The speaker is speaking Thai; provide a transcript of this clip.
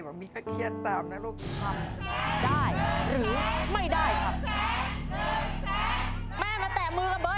แม่แม่เครียดตามนะลูกนี้